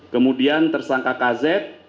kemudian tersangka kz